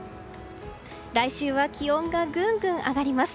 来週は気温がぐんぐん上がります。